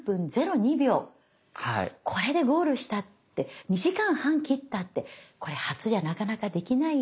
これでゴールしたって２時間半切ったってこれ初じゃなかなかできないよ。